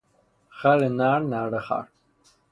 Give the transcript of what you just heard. خر نر، نره خر